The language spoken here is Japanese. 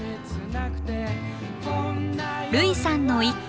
類さんの一句。